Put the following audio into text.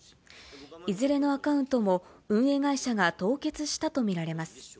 いずれのアカウントも運営会社が凍結したと見られます。